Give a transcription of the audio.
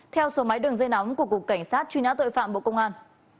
theo số máy đường dây nóng của cục cảnh sát truy nã tội phạm bộ công an